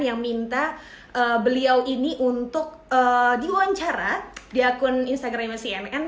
yang minta beliau ini untuk diwawancara di akun instagramnya cnn